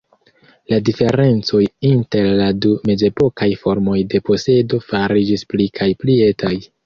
La diferencoj inter la du mezepokaj formoj de posedo fariĝis pli kaj pli etaj.